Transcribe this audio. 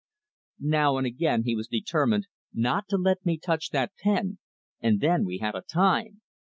Now and again he was determined not to let me touch that pen, and then we had a time.